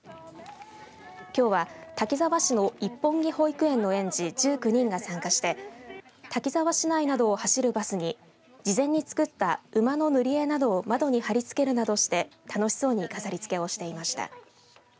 きょうは滝沢市の一本木保育園の園児１９人が参加して滝沢市内などを走るバスに事前に作った馬の塗り絵などを窓に貼り付けるなどして楽しそうに飾りつけをしていました。